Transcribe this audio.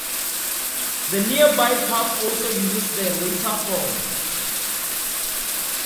The nearby pub also uses the latter form.